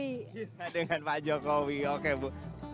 kita dengan pak jokowi oke bu